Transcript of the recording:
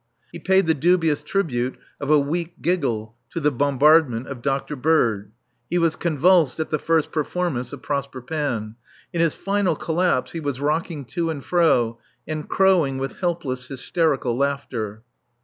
He paid the dubious tribute of a weak giggle to the bombardment of Dr. Bird. He was convulsed at the first performance of Prosper Panne. In his final collapse he was rocking to and fro and crowing with helpless, hysterical laughter.